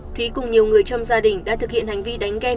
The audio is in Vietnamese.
thúy cùng nhiều người trong gia đình đã thực hiện hành vi đánh ghen